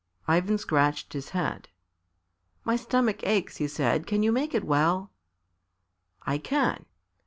Ivan scratched his head. "My stomach aches," he said; "can you make it well?" "I can."